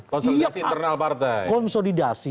konsolidasi internal partai